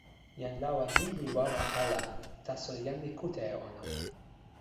jan lawa ni li wawa ala, taso jan li kute e ona.